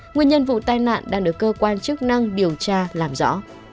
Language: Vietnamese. nguyên nhân vụ tai nạn đang được cơ quan chức năng điều tra làm rõ